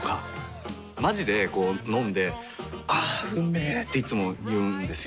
まじでこう飲んで「あーうんめ」っていつも言うんですよ。